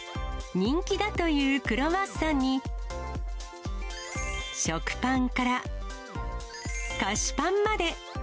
人気だというクロワッサンに、食パンから菓子パンまで。